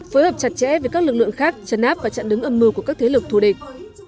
phối hợp chặt chẽ với các lực lượng khác chấn áp và chặn đứng âm mưu của các thế lực thù địch